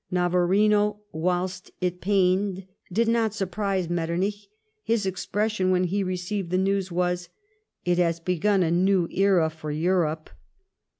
Navarino, whilst it pained, did not surprise Metternich. His expression, when he received the news was :" It has begun a new era for Europe."